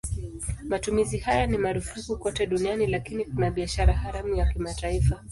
Matumizi haya ni marufuku kote duniani lakini kuna biashara haramu ya kimataifa.